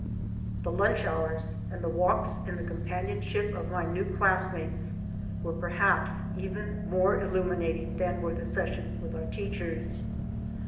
The lunch hours and the walks in the com panionship of my new classmates were per haps even more illuminating than were the sessions with our teachers.